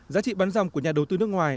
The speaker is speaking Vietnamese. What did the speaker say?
giá trị bán dòng của nhà đầu tư nước ngoài